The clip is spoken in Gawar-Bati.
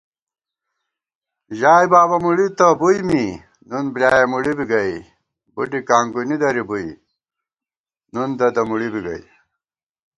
ژائےبابہ مُڑی تہ بُوئی می، نُن بۡلیایَہ مُڑی بی گئ * بُڈی کانگُونی درِی بُوئی نُن ددَہ مُڑی بی گئ